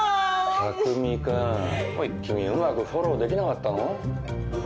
匠君君うまくフォローできなかったの？